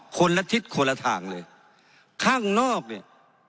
คนละทิศคนละทางเลยข้างนอกเนี่ย